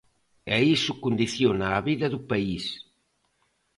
E iso condiciona a vida do país.